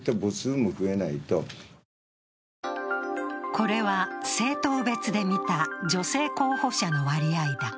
これは政党別で見た女性候補者の割合だ。